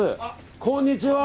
こんにちは！